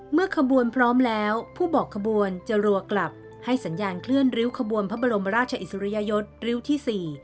ขบวนพร้อมแล้วผู้บอกขบวนจะรัวกลับให้สัญญาณเคลื่อนริ้วขบวนพระบรมราชอิสริยยศริ้วที่๔